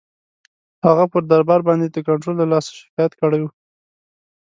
هغه پر دربار باندي د کنټرول له لاسه شکایت کړی وو.